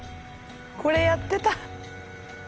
これやってた。